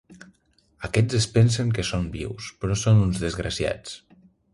Aquests es pensen que són vius però són uns desgraciats.